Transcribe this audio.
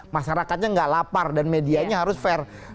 masyarakatnya nggak lapar dan medianya harus fair